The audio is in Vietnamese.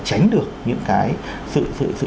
tránh được những cái sự